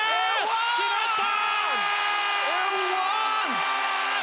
決まった！